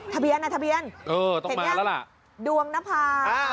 ทะเบียนนะทะเบียนเห็นไหมดวงนภาพเออต้องมาแล้วล่ะ